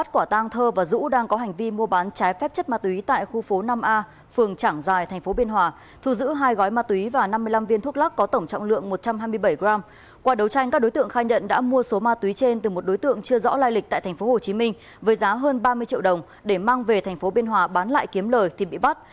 qua đấu tranh các đối tượng khai nhận đã mua số ma túy trên từ một đối tượng chưa rõ lai lịch tại tp hcm với giá hơn ba mươi triệu đồng để mang về tp biên hòa bán lại kiếm lời thì bị bắt